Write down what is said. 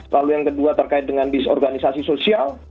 lalu yang kedua terkait dengan disorganisasi sosial